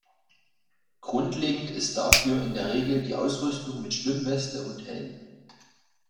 Grundlegend ist dafür in der Regel die Ausrüstung mit Schwimmweste und Helm.